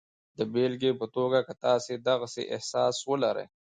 د بېلګې په توګه که تاسې د غسې احساس ولرئ